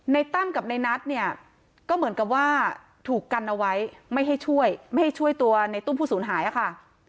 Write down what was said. ตั้มกับในนัทเนี่ยก็เหมือนกับว่าถูกกันเอาไว้ไม่ให้ช่วยไม่ให้ช่วยตัวในตุ้มผู้สูญหายอะค่ะ